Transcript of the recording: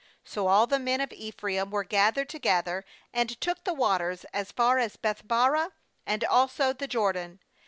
So all the men of Ephraim were gathered to gether, and took the waters as far as Beth barah, and also the Jordan.